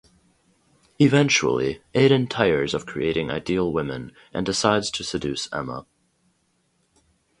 Eventually, Aiden tires of creating ideal women and decides to seduce Emma.